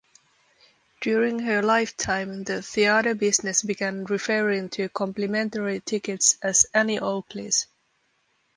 During her lifetime, the theatre business began referring to complimentary tickets as "Annie Oakleys".